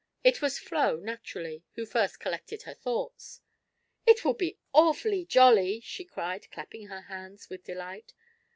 It was Flo, naturally, who first collected her thoughts. "It will be awfully jolly!" she cried, clapping her hands with delight.